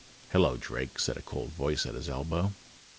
"Hello, Drake," said a cold voice at his elbow.